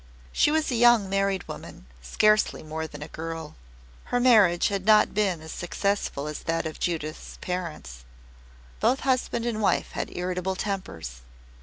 She was a young married woman, scarcely more than a girl. Her marriage had not been as successful as that of Judith's parents. Both husband and wife had irritable tempers.